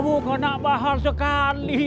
bukan apa apa sekali